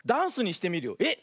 えっ！